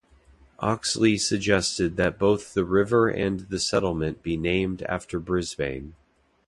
Oxley suggested that both the river and the settlement be named after Brisbane.